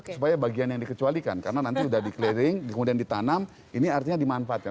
supaya bagian yang dikecualikan karena nanti sudah di clearing kemudian ditanam ini artinya dimanfaatkan